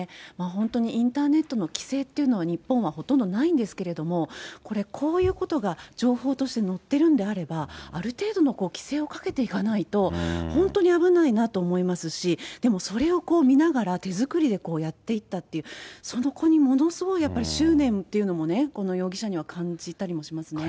本当にインターネットの規制っていうのは日本はほとんどないんですけれども、これ、こういうことが情報として載ってるんであれば、ある程度の規制をかけていかないと、本当に危ないなと思いますし、でもそれを見ながら、手作りでやっていったという、そこにものすごい執念っていうのもね、この容疑者には感じたりもしますね。